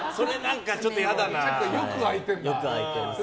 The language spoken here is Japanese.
よく開いてるんだ。